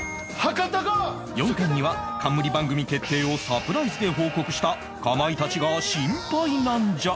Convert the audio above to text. ４巻には冠番組決定をサプライズで報告した「かまいたちが心配なんじゃ！！」